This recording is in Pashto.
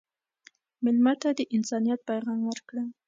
مېلمه ته د انسانیت پیغام ورکړه.